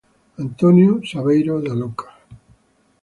Antonio Saverio de Luca.